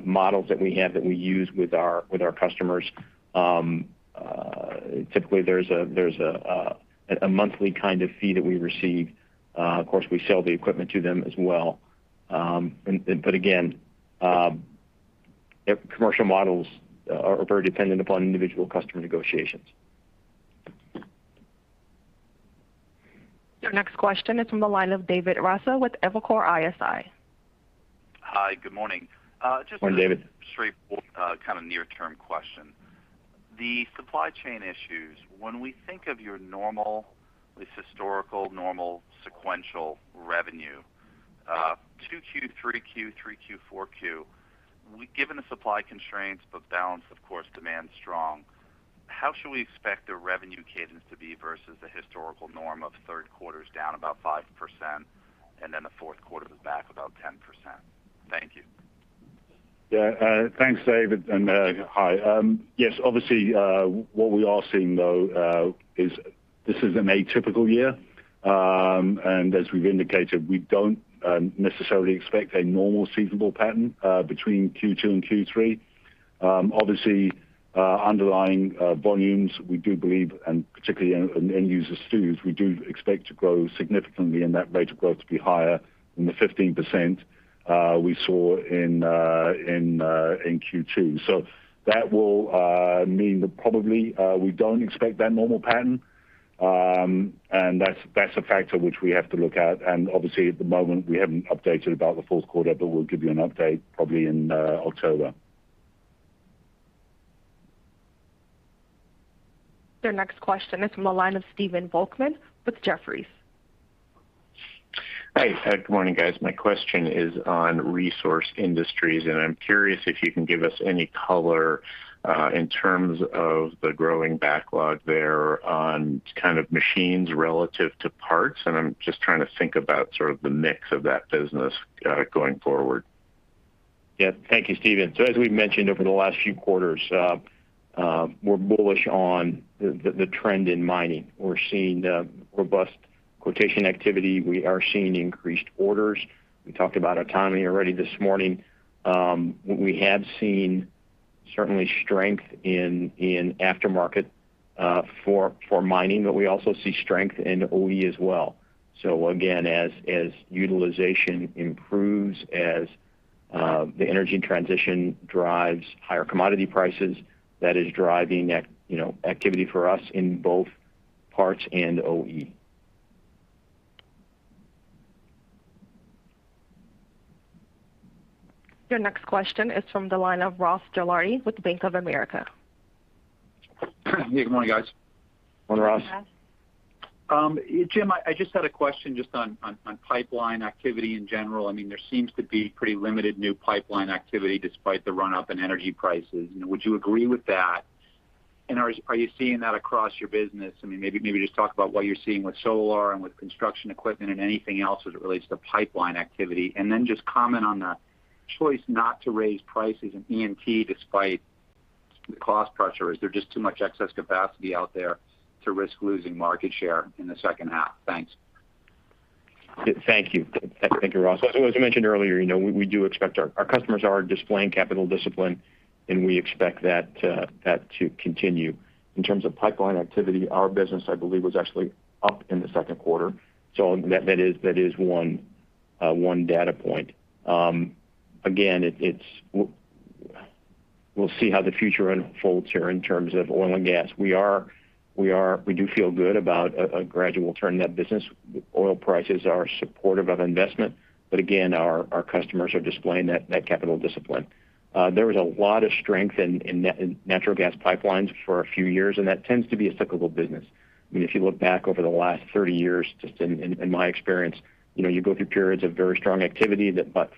Speaker 3: models that we have that we use with our customers. Typically, there's a monthly kind of fee that we receive. Of course, we sell the equipment to them as well. Again, commercial models are very dependent upon individual customer negotiations.
Speaker 1: Your next question is from the line of David Raso with Evercore ISI.
Speaker 8: Hi, good morning.
Speaker 3: Good morning, David.
Speaker 8: Just a straightforward kind of near-term question. The supply chain issues, when we think of your normal, at least historical, normal sequential revenue, 2Q, 3Q, 4Q, given the supply constraints, but balance, of course, demand strong, how should we expect the revenue cadence to be versus the historical norm of third quarter's down about 5%, and then the fourth quarter's back about 10%? Thank you.
Speaker 4: Yeah. Thanks, David, hi. Yes, obviously, what we are seeing though is this is an atypical year. As we've indicated, we don't necessarily expect a normal seasonal pattern, between Q2 and Q3. Obviously, underlying volumes, we do believe, and particularly in end user steel, we do expect to grow significantly and that rate of growth to be higher than the 15% we saw in Q2. That will mean that probably we don't expect that normal pattern, and that's a factor which we have to look at. Obviously, at the moment, we haven't updated about the fourth quarter, We'll give you an update probably in October.
Speaker 1: Your next question is from the line of Stephen Volkmann with Jefferies.
Speaker 9: Hi. Good morning, guys. My question is on Resource Industries, and I'm curious if you can give us any color in terms of the growing backlog there on kind of machines relative to parts. I'm just trying to think about sort of the mix of that business going forward.
Speaker 3: Yeah. Thank you, Stephen. As we've mentioned over the last few quarters, we're bullish on the trend in mining. We're seeing robust quotation activity. We are seeing increased orders. We talked about autonomy already this morning. We have seen certainly strength in aftermarket for mining, but we also see strength in OE as well. Again, as utilization improves, as the energy transition drives higher commodity prices, that is driving activity for us in both parts and OE.
Speaker 1: Your next question is from the line of Ross Gilardi with Bank of America.
Speaker 10: Yeah, good morning, guys.
Speaker 3: Morning, Ross.
Speaker 2: Morning, Ross.
Speaker 10: Jim, I just had a question just on pipeline activity in general. There seems to be pretty limited new pipeline activity despite the run-up in energy prices. Would you agree with that, and are you seeing that across your business? Maybe just talk about what you're seeing with Solar and with construction equipment and anything else as it relates to pipeline activity. Just comment on the choice not to raise prices in E&P despite cost pressure. Is there just too much excess capacity out there to risk losing market share in the second half? Thanks.
Speaker 3: Thank you, Ross. As I mentioned earlier, we do expect our customers are displaying capital discipline, and we expect that to continue. In terms of pipeline activity, our business, I believe, was actually up in the second quarter. That is one data point. Again, we'll see how the future unfolds here in terms of oil and gas. We do feel good about a gradual turn in that business. Oil prices are supportive of investment, again, our customers are displaying that capital discipline. There was a lot of strength in natural gas pipelines for a few years, and that tends to be a cyclical business. If you look back over the last 30 years, just in my experience, you go through periods of very strong activity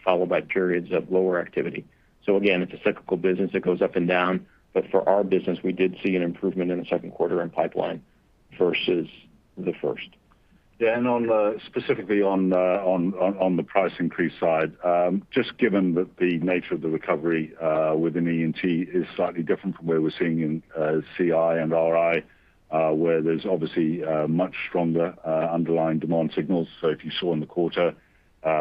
Speaker 3: followed by periods of lower activity. Again, it's a cyclical business that goes up and down. For our business, we did see an improvement in the second quarter in pipeline versus the first.
Speaker 4: Specifically on the price increase side, just given that the nature of the recovery within E&T is slightly different from where we're seeing in CI and RI where there's obviously much stronger underlying demand signals. If you saw in the quarter,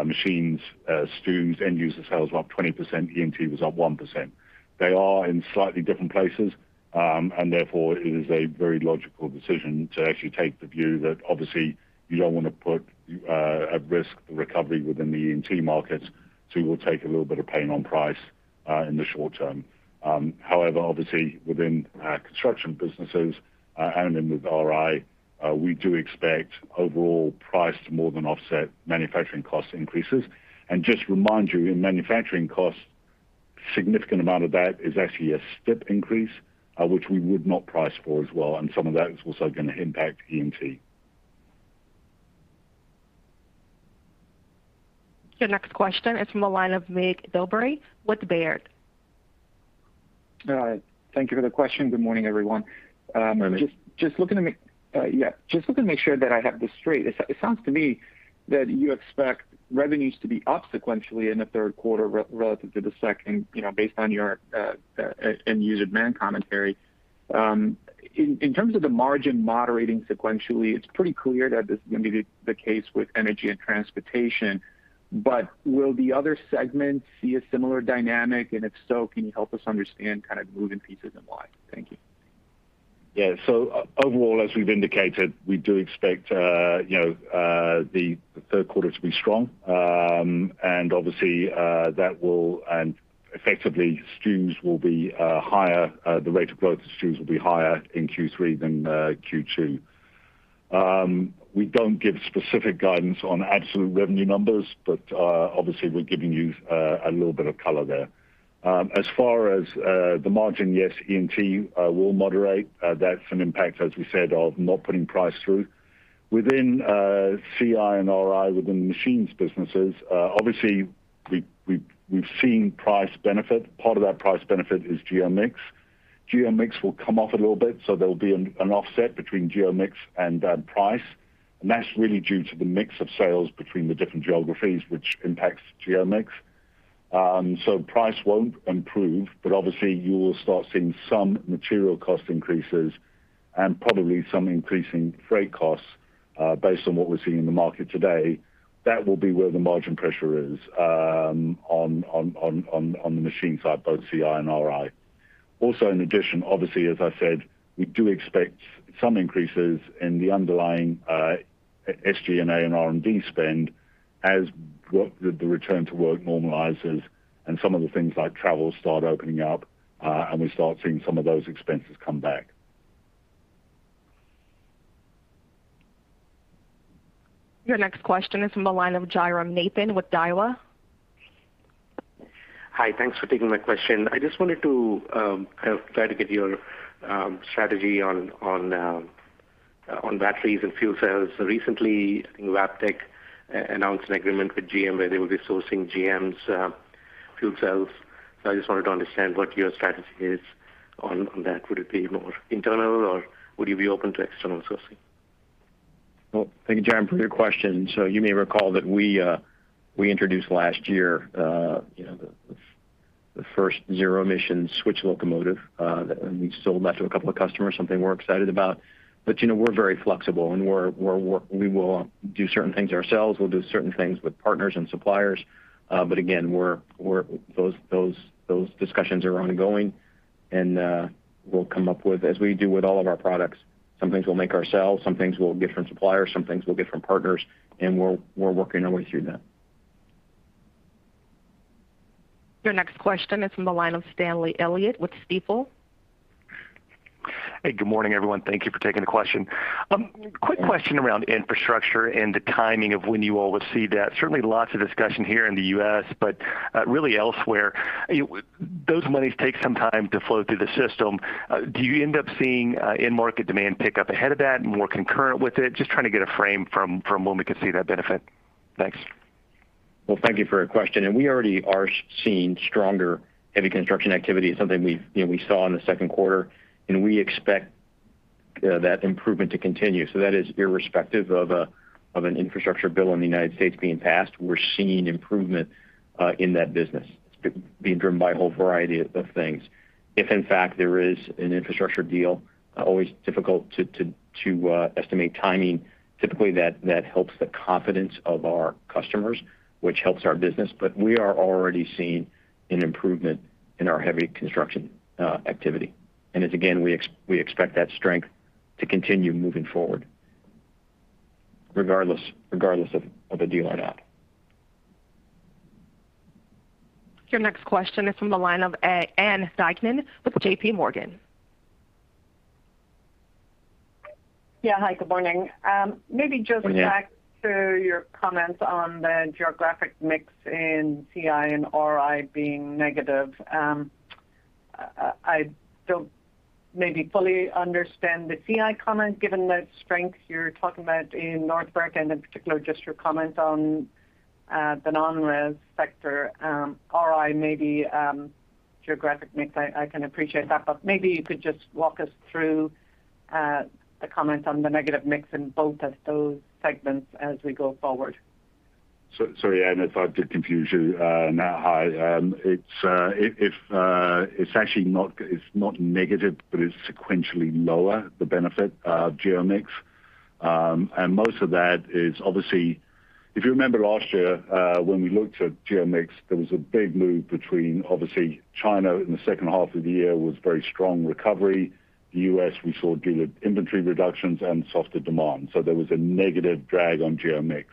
Speaker 4: machines, sales to users, end-user sales were up 20%, E&T was up 1%. They are in slightly different places, and therefore it is a very logical decision to actually take the view that obviously you don't want to put at risk the recovery within the E&T markets, so we will take a little bit of pain on price in the short term. Obviously within our construction businesses and within RI, we do expect overall price to more than offset manufacturing cost increases. Just remind you, in manufacturing costs, significant amount of that is actually a step increase, which we would not price for as well, and some of that is also going to impact E&T.
Speaker 1: Your next question is from the line of Mircea Dobre with Baird.
Speaker 11: Thank you for the question. Good morning, everyone.
Speaker 4: Morning.
Speaker 11: Just looking to make sure that I have this straight. It sounds to me that you expect revenues to be up sequentially in the third quarter relative to the second, based on your end-user demand commentary. In terms of the margin moderating sequentially, it's pretty clear that this is going to be the case with Energy & Transportation. Will the other segments see a similar dynamic? If so, can you help us understand kind of moving pieces and why? Thank you.
Speaker 4: Overall, as we've indicated, we do expect the third quarter to be strong. Effectively, the rate of growth of STUs will be higher in Q3 than Q2. We don't give specific guidance on absolute revenue numbers, obviously we're giving you a little bit of color there. As far as the margin, yes, E&T will moderate. That's an impact, as we said, of not putting price through. Within CI and RI, within the machines businesses, obviously we've seen price benefit. Part of that price benefit is geo mix. Geo mix will come off a little bit, there'll be an offset between geo mix and price. That's really due to the mix of sales between the different geographies, which impacts geo mix. Price won't improve, obviously you will start seeing some material cost increases and probably some increasing freight costs, based on what we're seeing in the market today. That will be where the margin pressure is on the machine side, both CI and RI. In addition, obviously, as I said, we do expect some increases in the underlying SG&A and R&D spend as the return to work normalizes and some of the things like travel start opening up, and we start seeing some of those expenses come back.
Speaker 1: Your next question is from the line of Jairam Nathan with Daiwa.
Speaker 12: Hi. Thanks for taking my question. I just wanted to kind of try to get your strategy on batteries and fuel cells. Recently, I think Wabtec announced an agreement with GM where they will be sourcing GM's fuel cells. I just wanted to understand what your strategy is on that. Would it be more internal or would you be open to external sourcing?
Speaker 3: Thank you, Jairam, for your question. You may recall that we introduced last year the first zero-emission switch locomotive, and we sold that to a couple of customers, something we're excited about. We're very flexible and we will do certain things ourselves. We'll do certain things with partners and suppliers. Again, those discussions are ongoing and we'll come up with, as we do with all of our products, some things we'll make ourselves, some things we'll get from suppliers, some things we'll get from partners, and we're working our way through that.
Speaker 1: Your next question is from the line of Stanley Elliott with Stifel.
Speaker 13: Hey, good morning, everyone. Thank you for taking the question. Quick question around infrastructure and the timing of when you all will see that. Certainly lots of discussion here in the U.S., but really elsewhere. Those monies take some time to flow through the system. Do you end up seeing end market demand pick up ahead of that and more concurrent with it? Just trying to get a frame from when we could see that benefit. Thanks.
Speaker 3: Thank you for your question. We already are seeing stronger heavy construction activity. It's something we saw in the second quarter. We expect that improvement to continue. That is irrespective of an infrastructure bill in the United States being passed. We're seeing improvement in that business. It's being driven by a whole variety of things. If in fact there is an infrastructure deal, always difficult to estimate timing. Typically, that helps the confidence of our customers, which helps our business. We are already seeing an improvement in our heavy construction activity. Again, we expect that strength to continue moving forward regardless of a deal or not.
Speaker 1: Your next question is from the line of Ann Duignan with JPMorgan.
Speaker 14: Yeah. Hi, good morning.
Speaker 3: Good morning.
Speaker 14: Maybe just back to your comments on the geographic mix in CI and RI being negative. I don't maybe fully understand the CI comment given the strength you're talking about in North America and in particular just your comment on the non-res sector. RI maybe. Geographic mix, I can appreciate that. Maybe you could just walk us through the comment on the negative mix in both of those segments as we go forward?
Speaker 4: Sorry, Ann, if I did confuse you in that. Hi. It's actually not negative, but it's sequentially lower, the benefit of geo mix. Most of that is, obviously, if you remember last year, when we looked at geo mix, there was a big move between, obviously, China in the second half of the year was very strong recovery. The U.S., we saw dealer inventory reductions and softer demand. There was a negative drag on geo mix.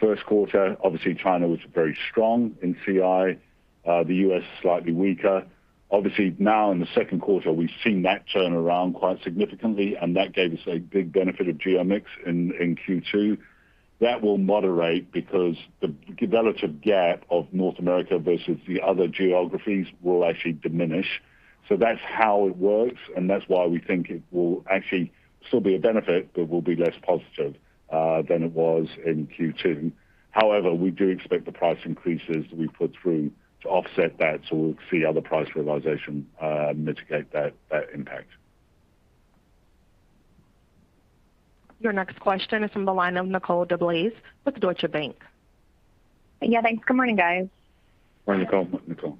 Speaker 4: First quarter, obviously China was very strong in CI. The U.S. slightly weaker. Obviously now in the second quarter, we've seen that turn around quite significantly, and that gave us a big benefit of geo mix in Q2. That will moderate because the relative gap of North America versus the other geographies will actually diminish. That's how it works, and that's why we think it will actually still be a benefit, but will be less positive than it was in Q2. However, we do expect the price increases that we put through to offset that, so we'll see how the price realization mitigate that impact.
Speaker 1: Your next question is from the line of Nicole DeBlase with Deutsche Bank.
Speaker 15: Yeah, thanks. Good morning, guys.
Speaker 4: Morning, Nicole.
Speaker 3: Morning, Nicole.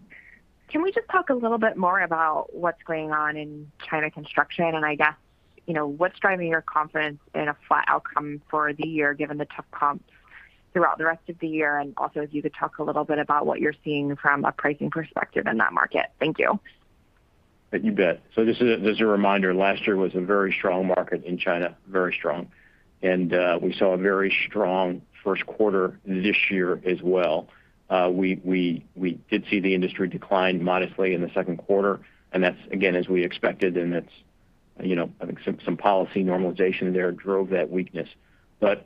Speaker 15: Can we just talk a little bit more about what's going on in China construction, I guess, what's driving your confidence in a flat outcome for the year, given the tough comps throughout the rest of the year? Also if you could talk a little bit about what you're seeing from a pricing perspective in that market. Thank you.
Speaker 3: You bet. Just as a reminder, last year was a very strong market in China, very strong. We saw a very strong first quarter this year as well. We did see the industry decline modestly in the second quarter, and that's, again, as we expected, and I think some policy normalization there drove that weakness.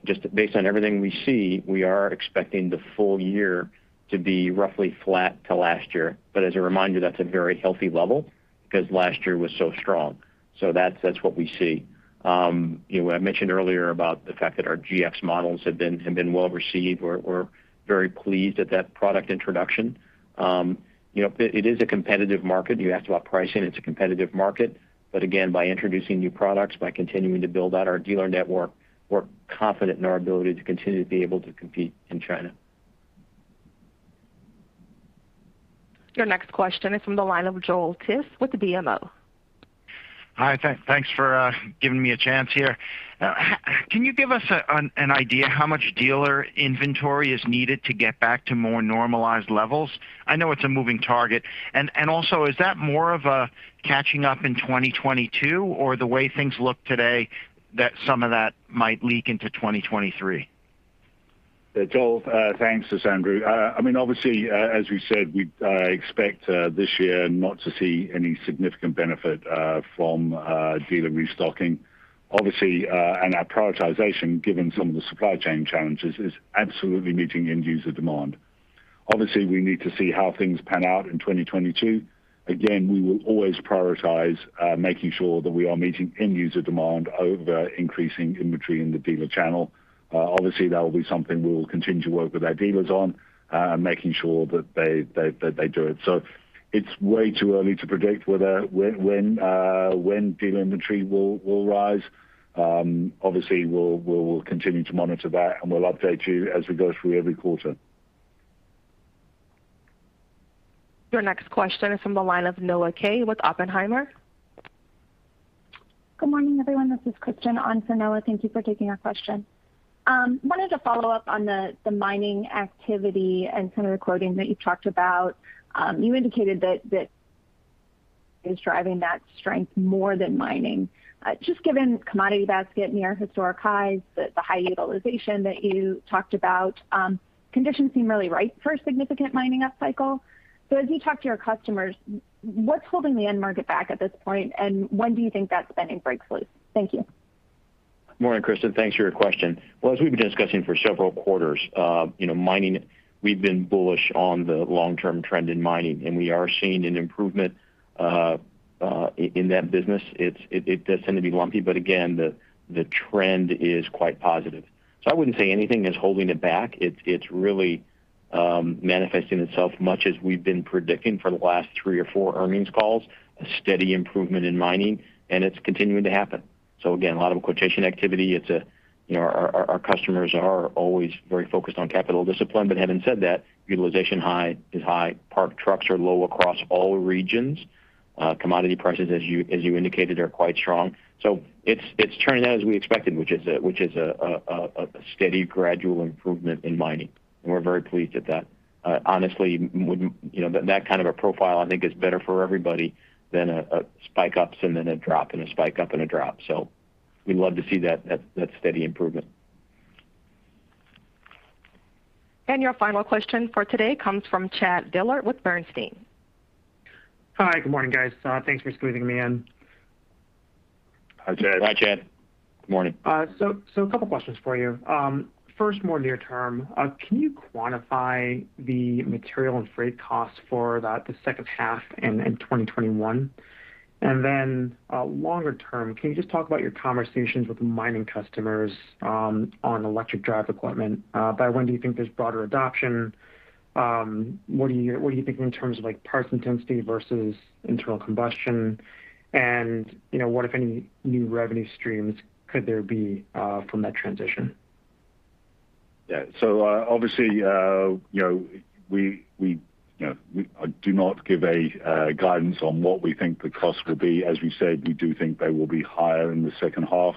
Speaker 3: Just based on everything we see, we are expecting the full year to be roughly flat to last year. As a reminder, that's a very healthy level because last year was so strong. That's what we see. I mentioned earlier about the fact that our GX models have been well received. We're very pleased at that product introduction. It is a competitive market. You asked about pricing. It's a competitive market, but again, by introducing new products, by continuing to build out our dealer network, we're confident in our ability to continue to be able to compete in China.
Speaker 1: Your next question is from the line of Joel Tiss with BMO.
Speaker 16: Hi. Thanks for giving me a chance here. Can you give us an idea how much dealer inventory is needed to get back to more normalized levels? I know it's a moving target, and also is that more of a catching up in 2022, or the way things look today that some of that might leak into 2023?
Speaker 4: Joel, thanks. This is Andrew. As we said, we expect this year not to see any significant benefit from dealer restocking. Our prioritization, given some of the supply chain challenges, is absolutely meeting end user demand. We need to see how things pan out in 2022. We will always prioritize making sure that we are meeting end user demand over increasing inventory in the dealer channel. That will be something we will continue to work with our dealers on, making sure that they do it. It's way too early to predict when dealer inventory will rise. We'll continue to monitor that, and we'll update you as we go through every quarter.
Speaker 1: Your next question is from the line of Noah Kaye with Oppenheimer.
Speaker 17: Good morning, everyone. This is Kristen on for Noah. Thank you for taking our question. Wanted to follow up on the mining activity and some of the quoting that you talked about. You indicated that is driving that strength more than mining. Just given commodity basket near historic highs, the high utilization that you talked about, conditions seem really ripe for a significant mining up cycle. As you talk to your customers, what's holding the end market back at this point, and when do you think that spending breaks loose? Thank you.
Speaker 3: Morning, Kristen. Thanks for your question. As we've been discussing for several quarters, mining, we've been bullish on the long-term trend in mining, and we are seeing an improvement in that business. It does tend to be lumpy, but again, the trend is quite positive. I wouldn't say anything is holding it back. It's really manifesting itself much as we've been predicting for the last three or four earnings calls, a steady improvement in mining, and it's continuing to happen. Again, a lot of quotation activity. Our customers are always very focused on capital discipline. Having said that, utilization is high. Parked trucks are low across all regions. Commodity prices, as you indicated, are quite strong. It's turning out as we expected, which is a steady gradual improvement in mining, and we're very pleased at that. Honestly, that kind of a profile I think is better for everybody than a spike ups and then a drop and a spike up and a drop. We love to see that steady improvement.
Speaker 1: Your final question for today comes from Chad Dillard with Bernstein.
Speaker 18: Hi. Good morning, guys. Thanks for squeezing me in.
Speaker 3: Hi, Chad.
Speaker 4: Hi, Chad. Good morning.
Speaker 18: A couple questions for you. First, more near term, can you quantify the material and freight costs for about the second half in 2021? Longer term, can you just talk about your conversations with mining customers on electric drive equipment? By when do you think there's broader adoption? What are you thinking in terms of parts intensity versus internal combustion? What, if any, new revenue streams could there be from that transition?
Speaker 4: Yeah. Obviously, I do not give a guidance on what we think the cost will be. As we said, we do think they will be higher in the second half.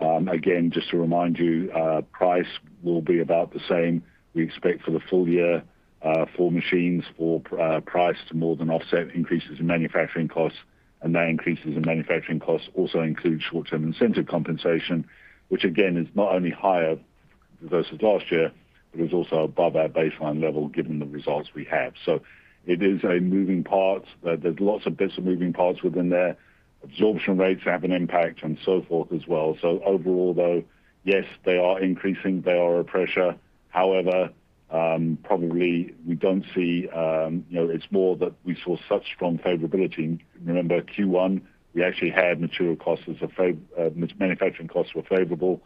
Speaker 4: Again, just to remind you, price will be about the same. We expect for the full year, full machines or price to more than offset increases in manufacturing costs. That increases in manufacturing costs also include short-term incentive compensation, which again, is not only higher versus last year, but is also above our baseline level given the results we have. It is a moving part. There's lots of bits of moving parts within there. Absorption rates have an impact and so forth as well. Overall, though, yes, they are increasing, they are a pressure. However, probably it's more that we saw such strong favorability. Remember Q1, we actually had material costs, manufacturing costs were favorable.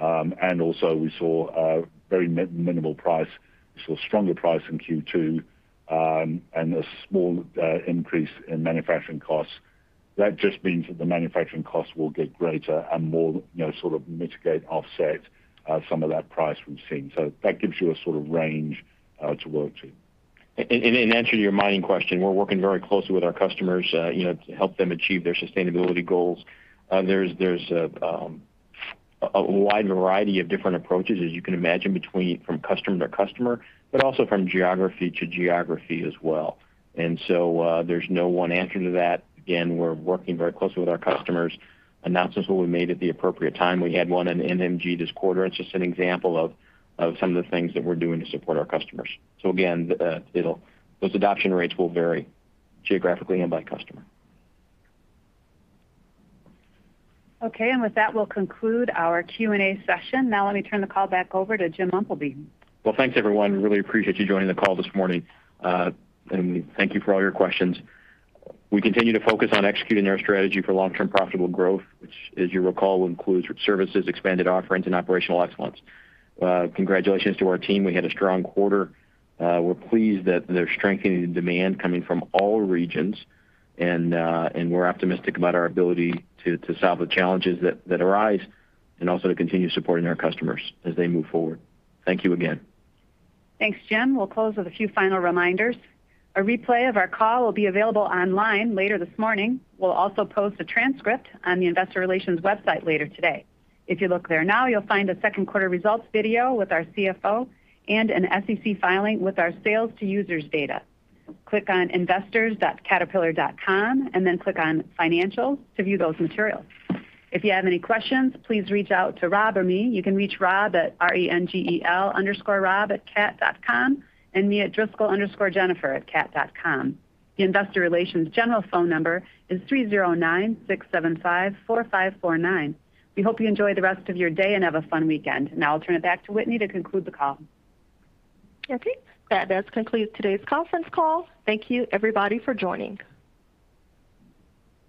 Speaker 4: Also we saw a very minimal price. We saw stronger price in Q2, and a small increase in manufacturing costs. That just means that the manufacturing costs will get greater and more mitigate, offset some of that price we've seen. That gives you a sort of range to work to.
Speaker 3: In answer to your mining question, we're working very closely with our customers to help them achieve their sustainability goals. There's a wide variety of different approaches, as you can imagine, between from customer to customer, but also from geography to geography as well. So there's no one answer to that. Again, we're working very closely with our customers. Announcements will be made at the appropriate time. We had one at NMG this quarter. It's just an example of some of the things that we're doing to support our customers. So again, those adoption rates will vary geographically and by customer.
Speaker 2: Okay, with that, we'll conclude our Q&A session. Now let me turn the call back over to Jim Umpleby.
Speaker 3: Well, thanks everyone. Really appreciate you joining the call this morning. Thank you for all your questions. We continue to focus on executing our strategy for long-term profitable growth, which as you recall, includes services, expanded offerings, and operational excellence. Congratulations to our team. We had a strong quarter. We're pleased that there's strengthening in demand coming from all regions. We're optimistic about our ability to solve the challenges that arise and also to continue supporting our customers as they move forward. Thank you again.
Speaker 2: Thanks, Jim. We'll close with a few final reminders. A replay of our call will be available online later this morning. We'll also post a transcript on the investor relations website later today. If you look there now, you'll find a second quarter results video with our CFO and an SEC filing with our sales to users data. Click on investors.caterpillar.com, and then click on Financial to view those materials. If you have any questions, please reach out to Rob or me. You can reach Rob at Rengel_Rob@cat.com and me at Driscoll_Jennifer@cat.com. The investor relations general phone number is 309-675-4549. We hope you enjoy the rest of your day and have a fun weekend. Now I'll turn it back to Whitney to conclude the call.
Speaker 1: Okay. That does conclude today's conference call. Thank you everybody for joining.